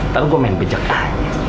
tau gue main becek aja